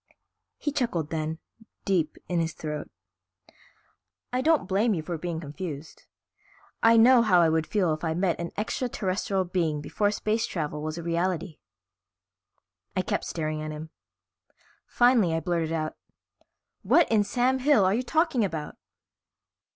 He chuckled then, deep in his throat. "I don't blame you for being confused. I know how I would feel if I met an extraterrestrial being before space travel was a reality." I kept staring at him. Finally I blurted out, "What in Sam Hill are you talking about?"